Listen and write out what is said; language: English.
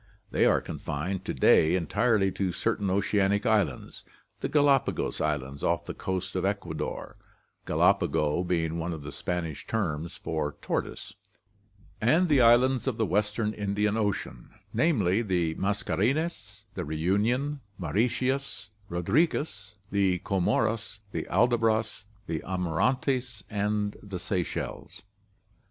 They are confined to day entirely to certain oceanic islands — the Galapagos Islands off the coast of Ecuador (galapago being one of the Spanish terms for tortoise), and the islands of the western Indian Ocean, namely, the Mascarenes (Reunion, Mauritius, and Rodriguez), the Comoros, the Aldabras, the Amirantes, and the Seychelles.